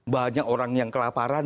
banyak orang yang kelaparan